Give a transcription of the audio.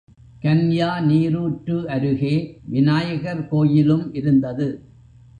கன்யா நீரூற்று அருகே விநாயகர் கோயிலும் இருந்தது.